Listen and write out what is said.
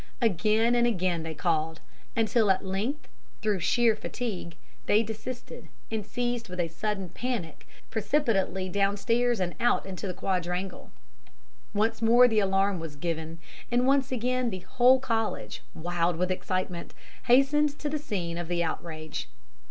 Again and again they called, until at length, through sheer fatigue, they desisted, and seized with a sudden panic fled precipitately downstairs and out into the quadrangle. "Once more the alarm was given, and once again the whole College, wild with excitement, hastened to the scene of the outrage.